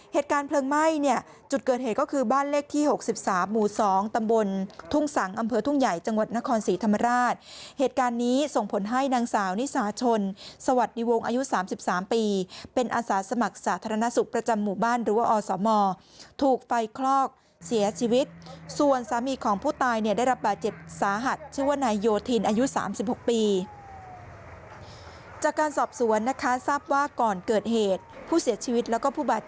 เหตุการณ์เพลิงไหม้เนี่ยจุดเกิดเหตุก็คือบ้านเลขที่๖๓หมู่๒ตำบลทุ่งสังอำเภอทุ่งใหญ่จังหวัดนครศรีธรรมราชเหตุการณ์นี้ส่งผลให้นางสาวนิสาชนสวัสดิวงอายุ๓๓ปีเป็นอาศาสมัครสาธารณสุขประจำหมู่บ้านหรือว่าออสอมอถูกไฟคลอกเสียชีวิตส่วนสามีของผู้ตายเนี่ยได้รับบาดเจ็บ